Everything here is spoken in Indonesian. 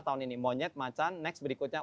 tahun ini monyet macan next berikutnya